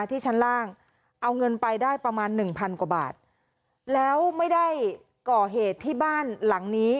ที่ชั้นล่างเอาเงินไปได้ประมาณหนึ่งพันกว่าบาทแล้วไม่ได้ก่อเหตุที่บ้านหลังนี้